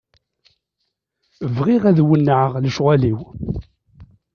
Bɣiɣ ad wennɛeɣ lecɣal-iw.